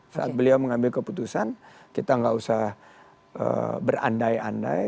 saat beliau mengambil keputusan kita nggak usah berandai andai